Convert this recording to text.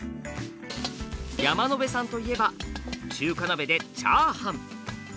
山野辺さんといえば中華鍋でチャーハン。